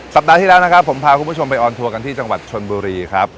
ปัดที่แล้วนะครับผมพาคุณผู้ชมไปออนทัวร์กันที่จังหวัดชนบุรีครับ